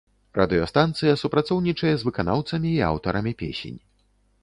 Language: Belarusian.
Радыёстанцыя супрацоўнічае з выканаўцамі і аўтарамі песень.